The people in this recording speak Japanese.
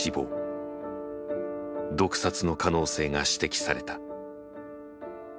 毒殺の可能性が指摘された。